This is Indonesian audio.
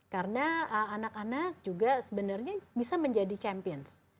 karena anak anak juga sebenarnya bisa menjadi champions